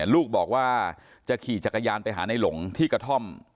ลูกบอกว่าจะขี่จักรยานไปหาในหลงที่กระท่อม